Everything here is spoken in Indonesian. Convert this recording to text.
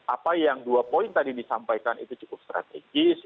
apa yang dua poin tadi disampaikan itu cukup strategis